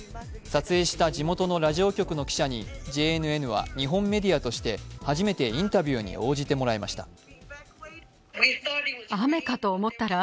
撮影した地元のラジオ局の記者にＪＮＮは日本メディアとして初めてインタビューに応じてもらいました。